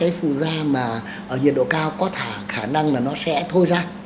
và nó còn những cái phù da mà ở nhiệt độ cao có thả khả năng là nó sẽ thôi ra